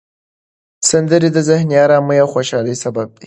سندرې د ذهني آرامۍ او خوشحالۍ سبب دي.